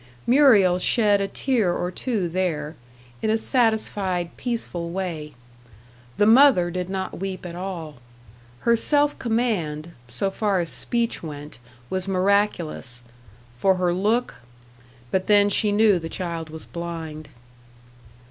Muriel shed a tear or two there in a satisfied, peaceful way; the mother did not weep at all. Her self command, so far as speech went, was miraculous. For her look but then she knew the child was blind.